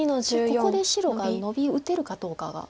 ここで白がノビ打てるかどうかが。